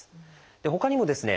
ほかにもですね